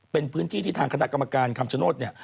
เป็นพื้นที่ที่ทางคณะกรรมการคำชโนธเนี่ย